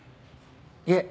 いえ。